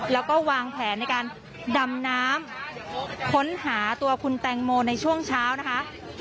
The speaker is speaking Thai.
แล้วก็วางแผนในการดำน้ำค้นหาตัวคุณแตงโมในช่วงเช้านะคะ